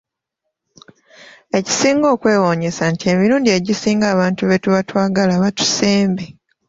Ekisinga okwewuunyisa nti emirundi egisinga abantu be tuba twagala batusembe.